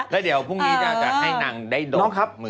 แล้วเดี๋ยวพรุ่งนี้จะให้นางได้ดูครับ